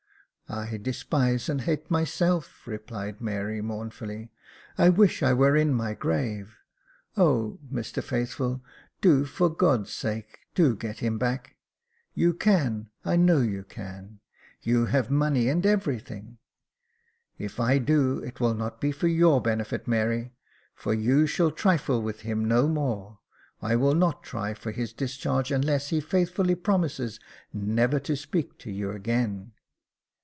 *' I despise and hate myself," replied Mary, mournfully, " I wish I were in my grave. O, Mr Faithful, do for God's sake — do get him back. You can, I know you can — you have money and everything." " If I do, it will not be for your benefit, Mary, for you shall trifle with him no more. I will not try for his discharge unless he faithfully promises never to speak to you again."